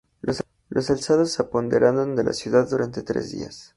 Los alzados se apoderaron de la ciudad durante tres días.